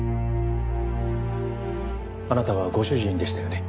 あなたはご主人でしたよね？